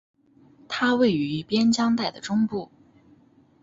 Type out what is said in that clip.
它位于边疆带的中部。